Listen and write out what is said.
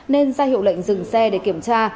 nên ra hiệu lệnh dừng xe để kiểm tra